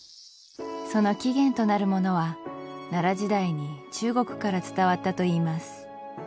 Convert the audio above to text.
その起源となるものは奈良時代に中国から伝わったといいます